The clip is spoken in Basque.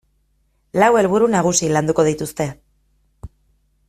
Lau helburu nagusi landuko dituzte.